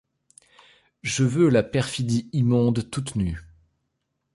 Je veux la perfidie immonde toute nue.